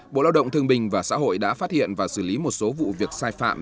bộ lao động thương bình và xã hội đã phát hiện và xử lý một số vụ việc sai phạm